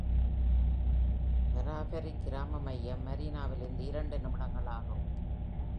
Portaferry கிராம மையம், மரினாவிலிருந்து இரண்டு நிமிடங்கள் ஆகும்.